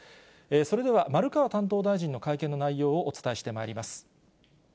それでは丸川担当大臣の会見の内容をお伝えしてまいります。